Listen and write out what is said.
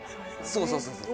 そうそうそうそう。